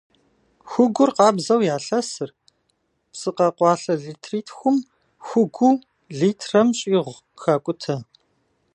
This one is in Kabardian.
Хугур къабзэу ялъэсыр, псы къэкъуалъэ литритхум хугуу литрэм щӏигъу хакӏутэ.